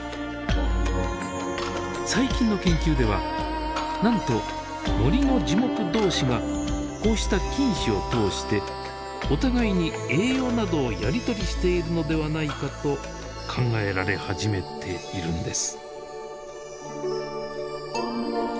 最近の研究ではなんと森の樹木同士がこうした菌糸を通してお互いに栄養などをやり取りしているのではないかと考えられ始めているんです。